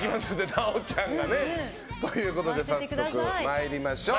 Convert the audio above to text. なおちゃんがね。ということで参りましょう。